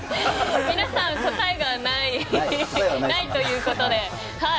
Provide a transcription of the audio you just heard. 皆さん答えがないということで。